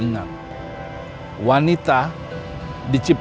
gak ada jelas alam